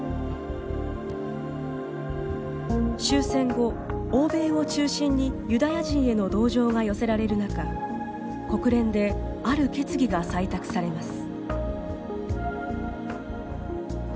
終戦後欧米を中心にユダヤ人への同情が寄せられる中国連である決議が採択されます。